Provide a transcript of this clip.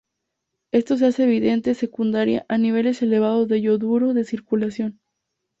Esto se hace evidente secundaria a niveles elevados de yoduro de circulación.